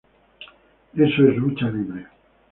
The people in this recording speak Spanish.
Eso es lucha libre.